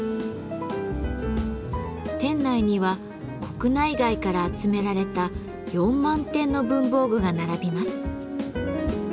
店内には国内外から集められた４万点の文房具が並びます。